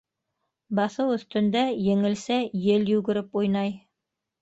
Баҫыу өҫтөндә еңелсә ел йүгереп уйнай.